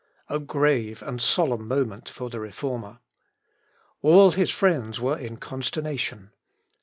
A grave and solemn moment for the Reformer! All his friends were in consternation.